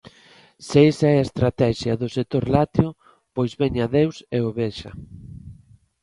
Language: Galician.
Se esa é a Estratexia do sector lácteo, pois veña Deus e o vexa.